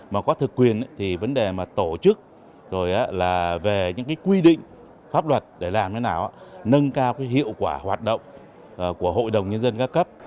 mà có thực quyền thì vấn đề mà tổ chức rồi là về những cái quy định pháp luật để làm thế nào nâng cao cái hiệu quả hoạt động của hội đồng nhân dân ca cấp